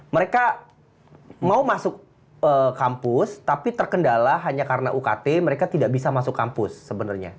mereka mau masuk kampus tapi terkendala hanya karena ukt mereka tidak bisa masuk kampus sebenarnya